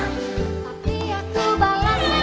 tapi aku balasnya ke pindahan